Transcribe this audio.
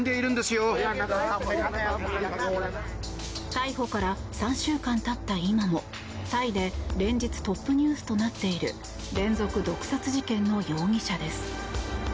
逮捕から３週間経った今もタイで連日トップニュースとなっている連続毒殺事件の容疑者です。